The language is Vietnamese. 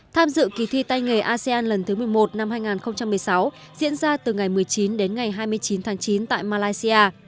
tham dự kỳ thi tay nghề asean lần thứ một mươi một năm hai nghìn một mươi sáu diễn ra từ ngày một mươi chín đến ngày hai mươi chín tháng chín tại malaysia